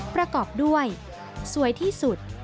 ประกอบด้วยสวยที่สุด